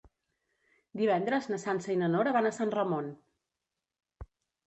Divendres na Sança i na Nora van a Sant Ramon.